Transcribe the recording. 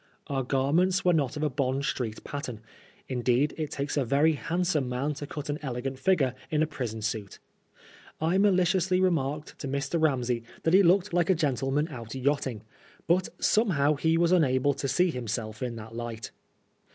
Our garments were not of a Bond Street pattern ; indeed, it takes a very handsome man to cut an elegant figure in a prison suit. I mall ciously remarked to Mr. Ramsey Uiat he looked like a gentleman out yachting ; but somehow he was unable to see himself in that light.